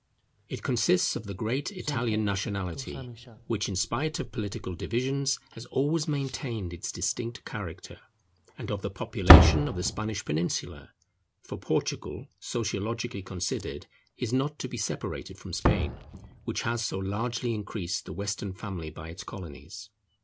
It consists of the great Italian nationality, which in spite of political divisions has always maintained its distinct character; and of the population of the Spanish Peninsula (for Portugal, sociologically considered, is not to be separated from Spain), which has so largely increased the Western family by its colonies.